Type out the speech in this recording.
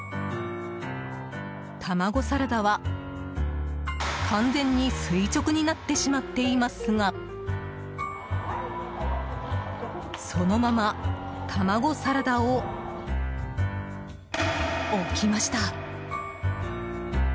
卵サラダは、完全に垂直になってしまっていますがそのまま卵サラダを置きました。